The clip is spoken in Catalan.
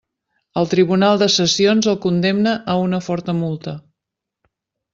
El tribunal de sessions el condemna a una forta multa.